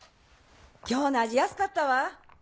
今日のアジ安かったわ。